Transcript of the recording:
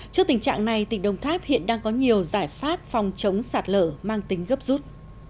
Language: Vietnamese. trước tình trạng này tỉnh đồng tháp hiện đang có nhiều giải pháp phòng chống sạt lở mang tính gấp rút